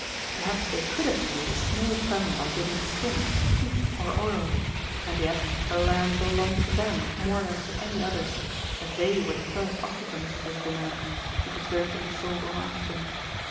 Perhaps they could have paid a small sum by giving skins, teeth or oil, and yet the land belonged to them more than to any others, as they were the first occupants of this domain which was going to be sold on auction.